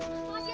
mau siapkan ya